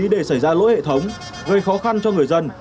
để xảy ra lỗi hệ thống gây khó khăn cho người dân